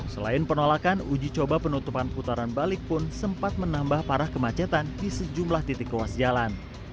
selain penolakan uji coba penutupan putaran balik pun sempat menambah parah kemacetan di sejumlah titik ruas jalan